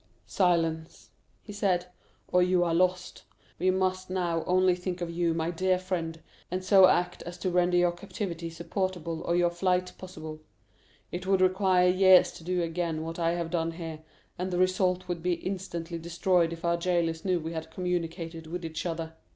"Silence," he said, "or you are lost. We must now only think of you, my dear friend, and so act as to render your captivity supportable or your flight possible. It would require years to do again what I have done here, and the results would be instantly destroyed if our jailers knew we had communicated with each other.